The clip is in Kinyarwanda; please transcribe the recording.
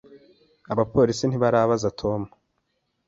Abapolisi ntibarabaza Tom.